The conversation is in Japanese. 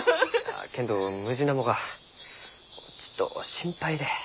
あけんどムジナモがちっと心配で。